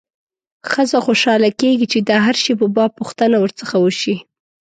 ښځه خوشاله کېږي چې د هر شي په باب پوښتنه ورڅخه وشي.